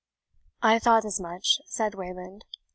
"I thought as much," said Wayland.